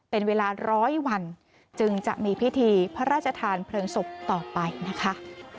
เป็นเวลาร้อยวันจึงจะมีพิธีพระราชทานเพลิงศพต่อไปนะคะ